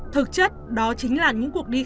thực chất đó chính là những cuộc đi khách